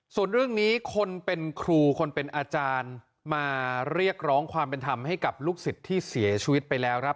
ส่วนเรื่องนี้คนเป็นครูคนเป็นอาจารย์มาเรียกร้องความเป็นธรรมให้กับลูกศิษย์ที่เสียชีวิตไปแล้วครับ